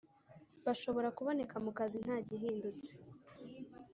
bashobora kuboneka mu kazi ntagihindutse